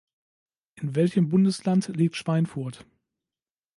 In welchem Bundesland liegt Schweinfurt?